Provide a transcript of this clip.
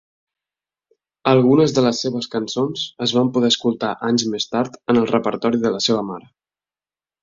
Algunes de les seves cançons es van poder escoltar anys més tard en el repertori de la seva mare.